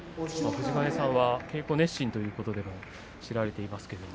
富士ヶ根さんは稽古熱心だということでも知られていました。